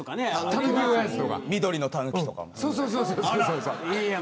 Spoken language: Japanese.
緑のたぬきとかも。